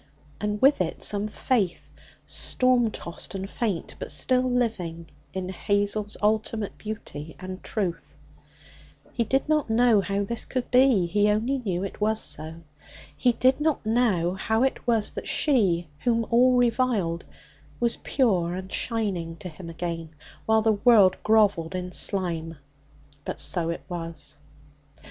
And with it some faith, storm tossed and faint, but still living, in Hazel's ultimate beauty and truth. He did not know this could be. He only knew it was so. He did not know how it was that she, whom all reviled, was pure and shining to him again, while the world grovelled in slime. But so it was.